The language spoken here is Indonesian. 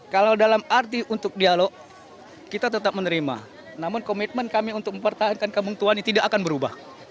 kalau dalam arti untuk dialog kita tetap menerima namun komitmen kami untuk mempertahankan kampung tuani tidak akan berubah